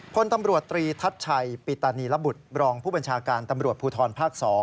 พลตำรวจตรีทัชชัยปิตีลบุตรรองผู้บัญชาการตำรวจภูทรภาค๒